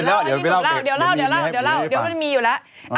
เดี๋ยวเล่าเดี๋ยวมันมีอยู่แล้ว